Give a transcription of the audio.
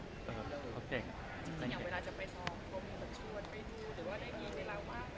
พี่ยังเวลาจะไปท้องคลุมชวนไปดูหรือว่าเต้นยี่นเวลาว่า